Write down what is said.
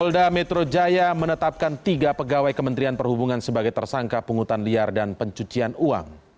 polda metro jaya menetapkan tiga pegawai kementerian perhubungan sebagai tersangka penghutan liar dan pencucian uang